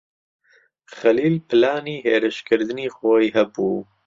خەلیل پلانی هێرشکردنی خۆی هەبوو.